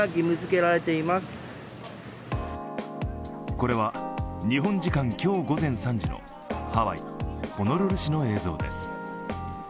これは日本時間今日午前３時のハワイ・ホノルル市の映像です。